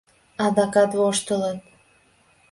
Адакат воштылыт.